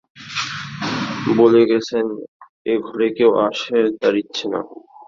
বলে গেছেন, এ ঘরে কেউ আসে তাঁর ইচ্ছে নয়।